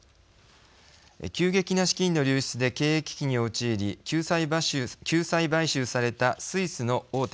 急激な資金の流出で経営危機に陥り、救済買収されたスイスの大手